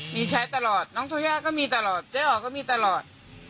มีใช้ตลอดน้องธุย่าก็มีตลอดเจ๊อ๋อก็มีตลอด